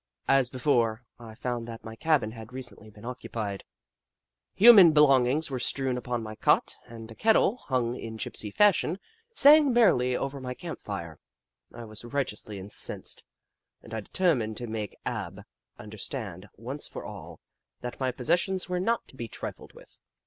As be fore, I found that my cabin had recently been occupied. Human belongings were strewn upon my cot, and a kettle, hung in gypsy fashion, sang 82 Kitchi Kitchi 83 merrily over my camp fire. I was righteously incensed, and I determined to make Ab un derstand, once for all, that my possessions were not to be trifled with.